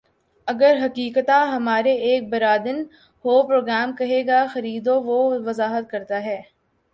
اگر حقیقتا ہمارا ایک برا دن ہو پروگرام کہے گا خریدو وہ وضاحت کرتا ہے